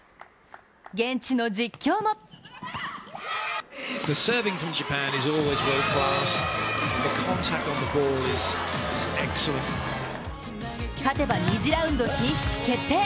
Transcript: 現地の実況も勝てば２次ラウンド進出決定。